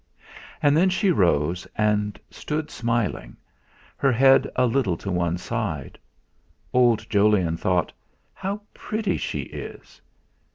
And then she rose and stood smiling, her head a little to one side. Old Jolyon thought: 'How pretty she is!'